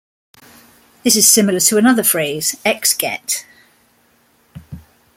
This is similar to another phrase, X get!